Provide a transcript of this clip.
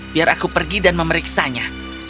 biar aku pergi dan memeriksanya